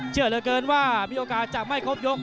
เชื่อเหลือเกินว่ามีโอกาสจะไม่ครบยก